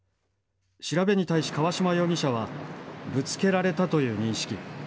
調べに対し、川島容疑者はぶつけられたという認識。